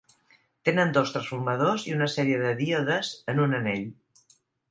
Tenen dos transformadors i una sèrie de díodes en un anell.